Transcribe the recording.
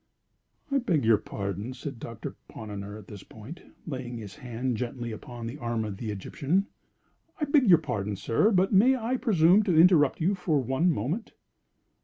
"I beg your pardon," said Doctor Ponnonner at this point, laying his hand gently upon the arm of the Egyptian—"I beg your pardon, sir, but may I presume to interrupt you for one moment?"